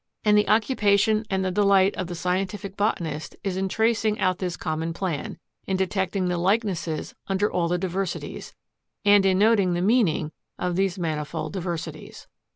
And the occupation and the delight of the scientific botanist is in tracing out this common plan, in detecting the likenesses under all the diversities, and in noting the meaning of these manifold diversities.